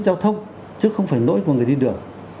giao thông chứ không phải lỗi của người đi đường